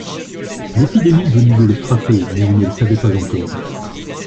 L’épidémie venait de les frapper, mais on ne le savait pas encore.